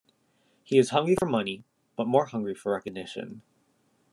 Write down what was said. He is hungry for money, but more hungry for recognition.